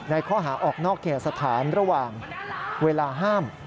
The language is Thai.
ข้อหาออกนอกเขตสถานระหว่างเวลาห้าม